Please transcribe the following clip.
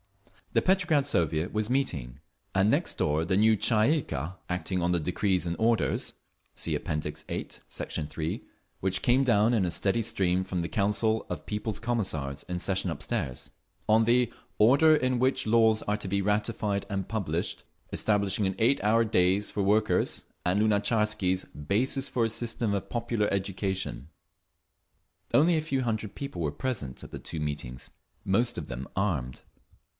The Petrograd Soviet was meeting, and next door the new Tsay ee kah, acting on the decrees and orders (See App. VIII, Sect. 3) which came down in a steady stream from the Council of People's Commissars in session upstairs; on the Order in Which Laws Are to be Ratified and Published, Establishing an Eight hour Days for Workers, and Lunatcharsky's "Basis for a System of Popular Education." Only a few hundred people were present at the two meetings, most of them armed.